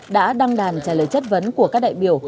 đã đăng đàn trả lời chất vấn của các đại biểu